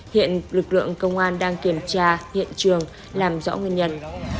hiện lực lượng công an đang kiểm tra hiện trường làm rõ nguyên nhân